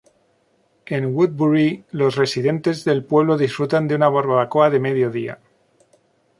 En Woodbury, los residentes de del pueblo disfrutan de una barbacoa de medio día.